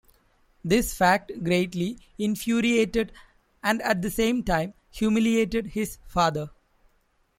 This fact greatly infuriated, and at the same time, humiliated his father.